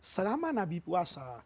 selama nabi puasa